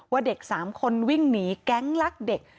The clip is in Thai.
เด็ก๓คนวิ่งหนีแก๊งลักเด็ก